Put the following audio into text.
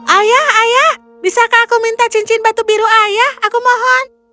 ayah ayah bisakah aku minta cincin batu biru ayah aku mohon